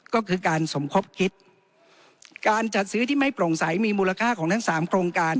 ก็คือการสมคบคิดการจัดซื้อที่ไม่โปร่งใสมีมูลค่าของทั้งสามโครงการ